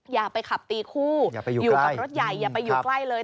อย่าไปขับตีคู่อย่าไปอยู่กับรถใหญ่อย่าไปอยู่ใกล้เลย